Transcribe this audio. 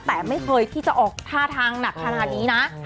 แต่ไม่เคยที่จะออกท่าทางหนักขนาดนี้นะ